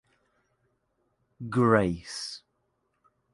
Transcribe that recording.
Grace.